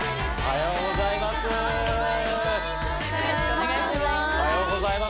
おはようございます！